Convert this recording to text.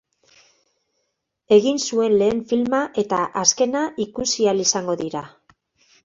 Egin zuen lehen filma eta azkena ikusi ahal izango dira.